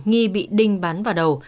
nghi bị đinh bắn vào đầu